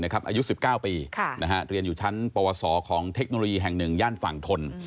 อายุ๑๙ปีเรียนอยู่ชั้นปวสอของเทคโนโลยีแห่ง๑ย่านฝั่งทน